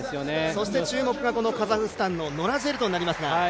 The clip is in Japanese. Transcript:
そして注目がカザフスタンのノラ・ジェルトになりますが。